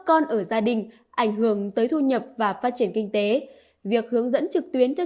con ở gia đình ảnh hưởng tới thu nhập và phát triển kinh tế việc hướng dẫn trực tuyến theo